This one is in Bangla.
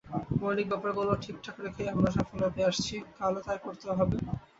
মৌলিক ব্যাপারগুলো ঠিকঠাক রেখেই আমরা সাফল্য পেয়ে আসছি, কালও তাই করতে হবে।